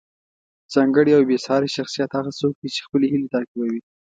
ځانګړی او بې ساری شخصیت هغه څوک دی چې خپلې هیلې تعقیبوي.